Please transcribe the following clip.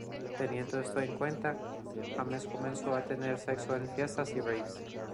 Teniendo esto en cuenta, James comenzó a tener sexo en fiestas y raves.